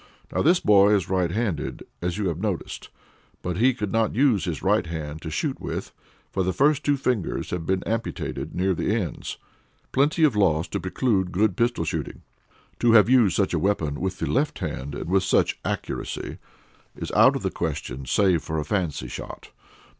Now, this boy is right handed, as you have noticed, but he could not use his right hand to shoot with, for the first two fingers have been amputated near the ends. Plenty of loss to preclude good pistol shooting! "To have used such a weapon with the left hand, and with such accuracy, is out of the question save for a fancy shot.